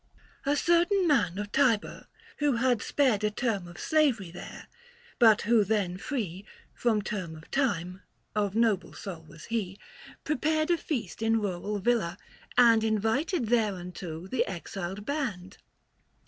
A certain man of Tibur, who had sped A term of slavery there, but who then free Erom term of time — of noble soul was he — 810 Prepared a feast in rural villa, and Invited thereunto the exiled band.